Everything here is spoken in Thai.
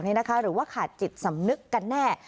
หรือว่าขาดจิตสำนึกกันแน่